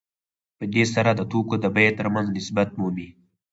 په دې سره د توکو د بیې ترمنځ نسبت مومي